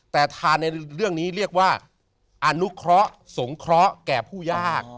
แต่ทานในเรื่องนี้เรียกว่าอนุเคราะห์สงเคราะห์แก่ผู้ยาก